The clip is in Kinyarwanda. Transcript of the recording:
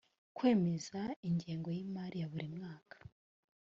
kwemeza ingengo y imari ya buri mwaka